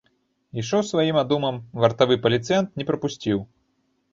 Ішоў сваім адумам, вартавы паліцыянт не прапусціў.